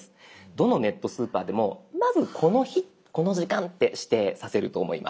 どのネットスーパーでもまずこの日この時間って指定させると思います。